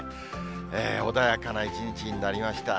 穏やかな一日になりました。